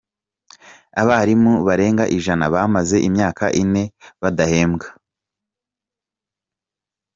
Abarimu barenga ijana bamaze imyaka ine badahembwa